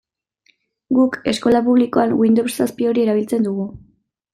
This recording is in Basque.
Guk, eskola publikoan, Windows zazpi hori erabiltzen dugu.